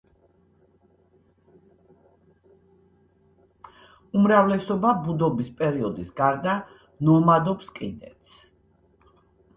უმრავლესობა ბუდობის პერიოდის გარდა ნომადობს კიდეც.